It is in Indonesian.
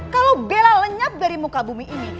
kalau bella lenyap dari muka bumi ini